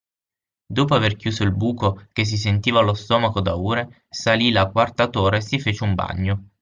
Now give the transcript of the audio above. Dopo aver chiuso il buco che si sentiva allo stomaco da ore, salì la quarta torre e si fece un bagno